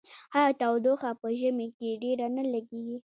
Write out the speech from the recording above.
آیا تودوخه په ژمي کې ډیره نه لګیږي؟